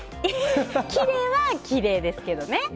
きれいはきれいですけどね。